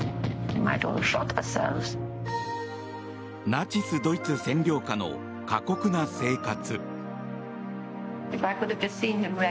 ナチスドイツ占領下の過酷な生活。